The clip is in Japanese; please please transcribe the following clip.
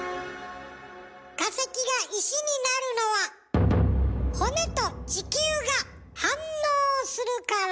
化石が石になるのは骨と地球が反応するから。